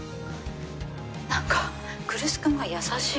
何か来栖君が優しい。